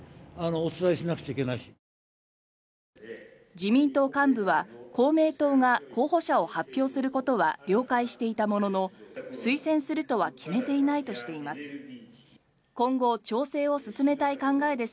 自民党幹部は公明党が候補者を発表することは了解していたものの推薦するとは決めていないとしています。